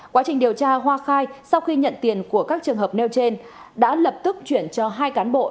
quá trình điều tra hoa khai sau khi nhận tiền của các trường hợp nêu trên đã lập tức chuyển cho hai cán bộ